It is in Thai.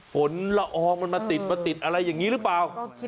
ละอองมันมาติดมาติดอะไรอย่างนี้หรือเปล่า